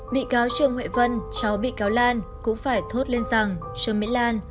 bị cáo trương huệ vân cháu bị cáo lan cũng phải thốt lên rằng trương mỹ lan